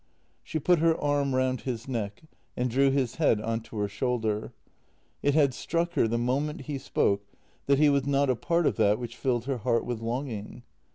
" She put her arm round his neck and drew his head on to her shoulder. It had struck her the moment he spoke that he was not a part of that which filled her heart with longing.